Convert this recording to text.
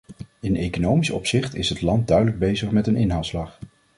In economisch opzicht is het land duidelijk bezig met een inhaalslag.